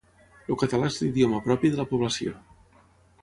El català és l'idioma propi de la població.